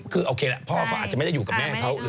คือโอเคแหละพ่อเขาอาจจะไม่ได้อยู่กับแม่เขา